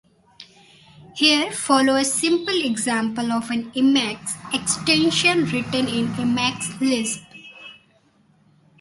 Here follows a simple example of an Emacs extension written in Emacs Lisp.